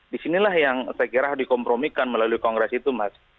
disinilah yang saya kira dikompromikan melalui kongres itu mas